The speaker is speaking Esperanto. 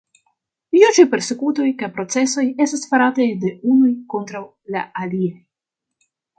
Juĝaj persekutoj kaj procesoj estas farataj de unuj kontraŭ la aliaj.